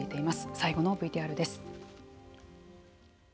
最後のＶＴＲです。